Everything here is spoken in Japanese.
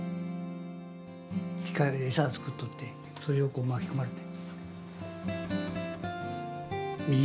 機械でエサ作っとってそれを巻き込まれて。